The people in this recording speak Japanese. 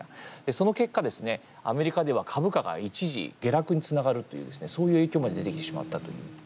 その結果ですね、アメリカでは株価が一時下落につながるというそういう影響まで出てきてしまったという。